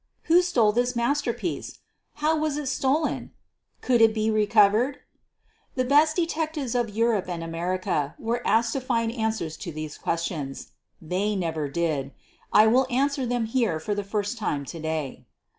Who stole this masterpiece? How was it stolen T Could it be recovered! The best detectives of Europe and America were asked to find answers to these questions. They never did. I will answer them here for the first time to day.